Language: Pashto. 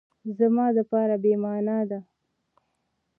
زما دپاره بی معنا ده